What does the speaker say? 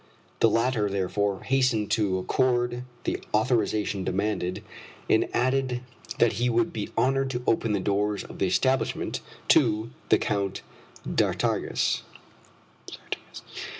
The latter therefore hastened to accord the authorization demanded, and added that he would be honored to open the doors of the establishment to the Count d'Artigas.